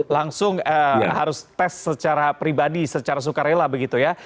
langsung harus tes secara pribadi secara sukarela begitu ya